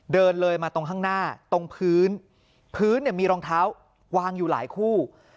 เดินเลยมาตรงข้างหน้าตรงพื้นพื้นเนี่ยมีรองเท้าวางอยู่หลายคู่